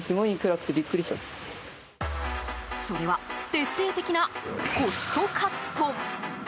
それは徹底的なコストカット。